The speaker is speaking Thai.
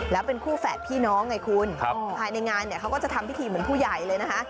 แล้วเป็นคู่แฝดพี่น้องไงคุณภายในงานเนี่ยเขาก็จะทำพิธีเหมือนผู้ใหญ่เลยนะคะ